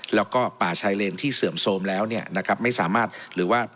แล้วก็ป่าชายเลนที่เสื่อมโทรมแล้วเนี่ยนะครับไม่สามารถหรือว่า